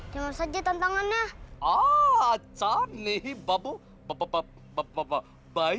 jangan saja tantangannya